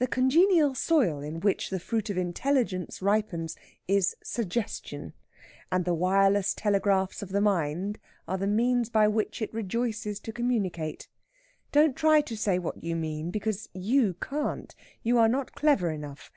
The congenial soil in which the fruit of Intelligence ripens is Suggestion, and the wireless telegraphs of the mind are the means by which it rejoices to communicate. Don't try to say what you mean because you can't. You are not clever enough.